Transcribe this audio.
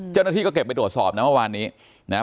เจ้าหน้าที่ก็เก็บไปตรวจสอบนะเมื่อวานนี้นะครับ